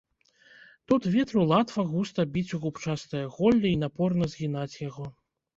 Тут ветру латва густа біць у купчастае голле і напорна згінаць яго.